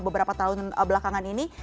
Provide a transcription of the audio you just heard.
beberapa tahun belakangan ini